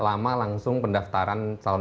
lama langsung pendaftaran calon